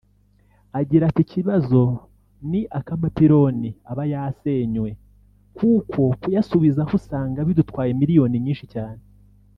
Agira ati “Ikibazo ni ak’amapironi aba yasenywe kuko kuyasubizaho usanga bidutwaye Miliyoni nyinshi cyane